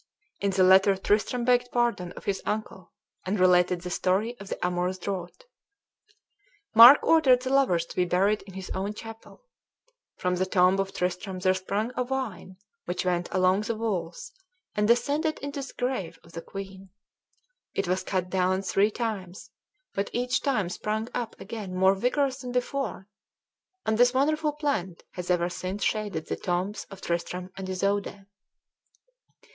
In the letter Tristram begged pardon of his uncle, and related the story of the amorous draught. Mark ordered the lovers to be buried in his own chapel. From the tomb of Tristram there sprung a vine, which went along the walls, and descended into the grave of the queen. It was cut down three times, but each time sprung up again more vigorous than before, and this wonderful plant has ever since shaded the tombs of Tristram and Isoude.